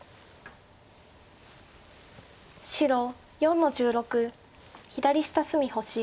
白４の十六左下隅星。